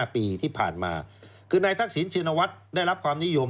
๑๕ปีที่ผ่านมาคือในทักศิลป์ชินวัตรได้รับความนิยม๙๒๙